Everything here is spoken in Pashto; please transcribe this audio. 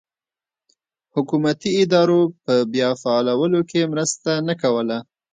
حکومتي ادارو په بیا فعالولو کې مرسته نه کوله.